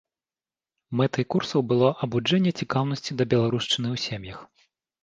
Мэтай курсаў было абуджэнне цікаўнасці да беларушчыны ў сем'ях.